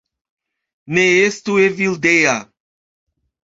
Ne estu Evildea